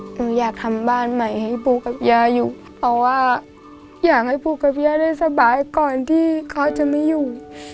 หนูอยากทำบ้านใหม่ให้ปูกับย่าอยู่เพราะว่าอยากให้ปูกับย่าได้สบายก่อนที่เขาจะไม่อยู่